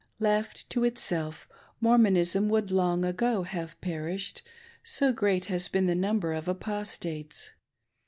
Left to itself, Mormonism would long ago haVe perished, so great has been the number of Apostates.